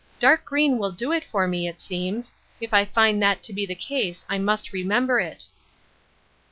" Dark green will do it for me, it seems. If I find that to be the case I must remember it."